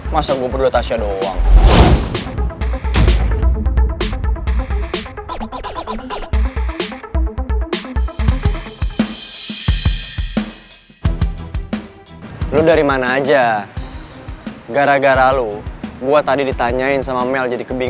yaudah gue bilang aja lu ke toilet yang lain